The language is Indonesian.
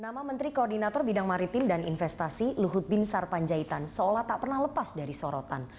nama menteri koordinator bidang maritim dan investasi luhut binsar panjaitan seolah tak pernah lepas dari sorotan